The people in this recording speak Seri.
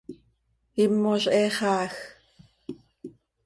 Imoz he xaaj.